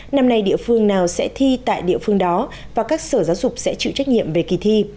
năm nay địa phương nào sẽ thi tại địa phương đó và các sở giáo dục sẽ chịu trách nhiệm về kỳ thi